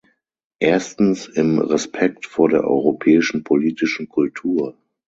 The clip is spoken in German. Erstens im Respekt vor der europäischen politischen Kultur.